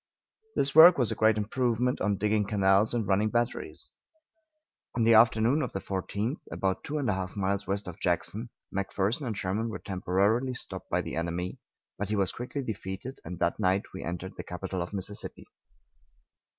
This work was a great improvement on digging canals and running batteries. On the afternoon of the 14th, about two and a half miles west of Jackson, McPherson and Sherman were temporarily stopped by the enemy, but he was quickly defeated, and that night we entered the capital of Mississippi.